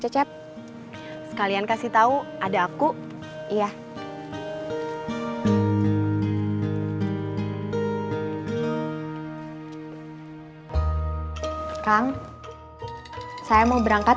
beberapa kali aku nggel woot dicepet